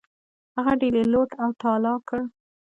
هغه ډیلي لوټ او تالا کړ.